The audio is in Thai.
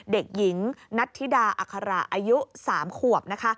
เด็กหญิงนัทธิดาอัคระอายุ๓ขวบ